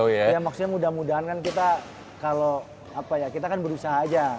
ya maksudnya mudah mudahan kan kita kalau apa ya kita kan berusaha aja